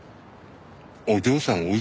お嬢さん